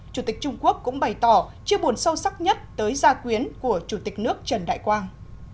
chủ tịch trung quốc cũng bày tỏ chiêu buồn sâu sắc nhất tới gia quyến của chủ tịch nước trần đại quang